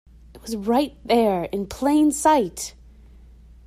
It was right there, in plain sight!